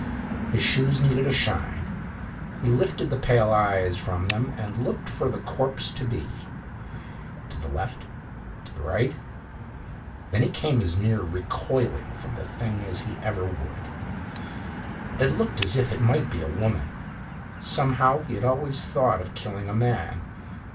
His shoes needed a shine. He lifted the pale eyes from them and looked for the corpse to be. To the left. To the right. Then he came as near recoiling from the thing as he ever would. It looked as if it might be a woman. Somehow he had always thought of killing a man.